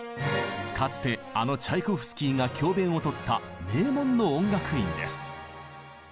かつてあのチャイコフスキーが教べんを執った名門の音楽院です。